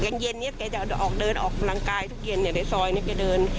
ยังเย็นเนี่ยแกจะออกเดินออกกำลังกายทุกเย็นเนี่ย